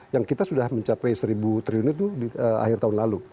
yang kita sudah mencapai seribu triliun itu di akhir tahun lalu